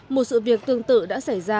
một sự việc tương tự đã xảy ra